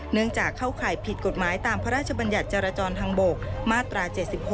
เนื่องจากเข้าข่ายผิดกฎหมายตามพระราชบัญญัติจรจรทางบกมาตรา๗๖